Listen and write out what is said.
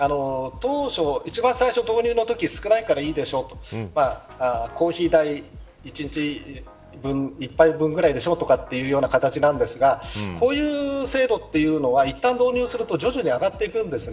当初、導入のときは一番少ないからいいでしょとコーヒー代１日１杯分ぐらいでしょうというような形なんですけどこういう制度はいったん導入すると徐々に上がっていくんですね。